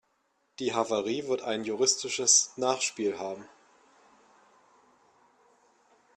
Die Havarie wird ein juristisches Nachspiel haben.